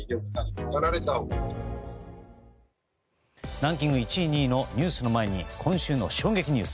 ランキング１位、２位のニュースの前に今週の衝撃ニュース。